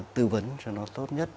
tư vấn cho nó tốt nhất